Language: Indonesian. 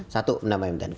satu menambah imdani